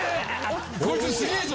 こいつすげぇぞ！